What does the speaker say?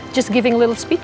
cuma berbicara sedikit